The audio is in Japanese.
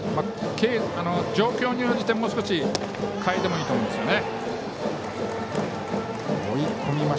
状況に応じてもう少し変えてもいいと思うんですよね。